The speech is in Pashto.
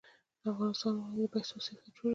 د افغانستان بانک د پیسو سیاست جوړوي